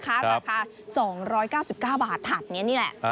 ครับราคาสองร้อยเก้าสิบเก้าบาทถัดเนี่ยนี่แหละอ่า